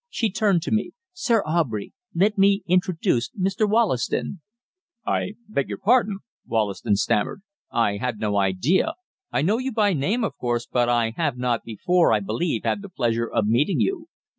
She turned to me: "Sir Aubrey, let me introduce Mr. Wollaston." "I beg your pardon," Wollaston stammered, "I had no idea I know you by name, of course, but I have not before, I believe, had the pleasure of meeting you.